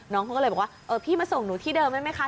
น้องเขาก็เลยบอกว่าเออพี่มาส่งหนูที่เดิมได้ไหมคะ